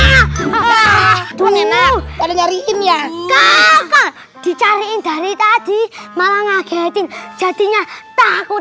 hadung enak dari carinya kakak dicariin dari tadi malah ngagetin jadinya takut